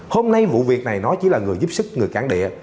hôm nay vụ việc này nó chỉ là người giúp sức người cản địa